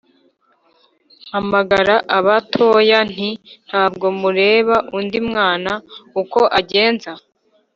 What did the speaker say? Mpamagara abatoya. Nti: ntabwo mureba Undi mwana uko agenza!